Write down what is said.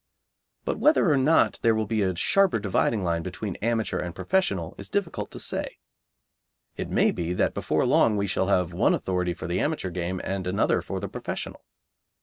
But whether or not there will be a sharper dividing line between amateur and professional is difficult to say. It may be that before long we shall have one authority for the amateur game and another for the professional.